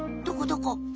どこどこ？